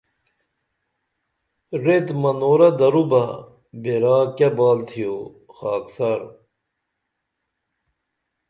ریت منورہ درو بہ بیرا کیہ بال تھیو خاکسار